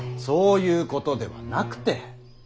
そういうことではなくて。